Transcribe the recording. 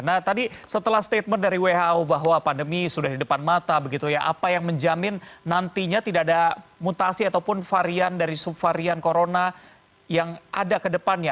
nah tadi setelah statement dari who bahwa pandemi sudah di depan mata begitu ya apa yang menjamin nantinya tidak ada mutasi ataupun varian dari subvarian corona yang ada kedepannya